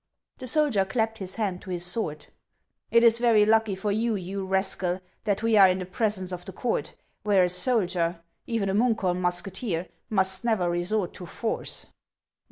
The soldier clapped his hand to his sword :" It is very lucky for you, you rascal, that we are in the presence of the court, where a soldier, even a Munkholm musketeer, must never resort to force."